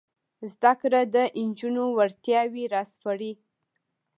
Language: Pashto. زده کړه د نجونو وړتیاوې راسپړي.